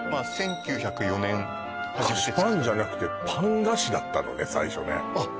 あっそう１９０４年菓子パンじゃなくてパン菓子だったのね最初ねあっ